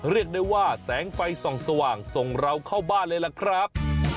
เรียกได้ว่าแสงไฟส่องสว่างส่งเราเข้าบ้านเลยล่ะครับ